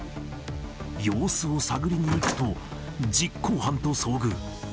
様子を探りに行くと、実行犯と遭遇。